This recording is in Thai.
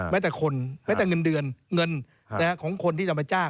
แม้แต่คนแม้แต่เงินเดือนเงินของคนที่จะมาจ้าง